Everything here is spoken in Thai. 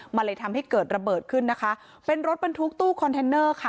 มันเลยทำให้เกิดระเบิดขึ้นนะคะเป็นรถบรรทุกตู้คอนเทนเนอร์ค่ะ